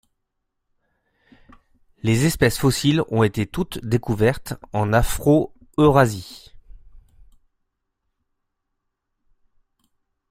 Les espèces fossiles ont été toute découvertes en Afro-Eurasie.